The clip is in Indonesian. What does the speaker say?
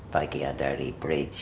bagian dari bridge